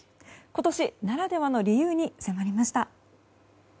今年ならではの理由に迫りました。